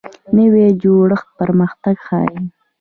نوی جوړښت پرمختګ ښیي